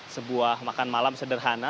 sebuah makan malam sederhana